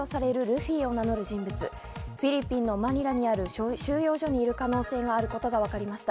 フィリピンのマニラにある収容所にいる可能性があることがわかりました。